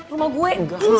rumah gua itu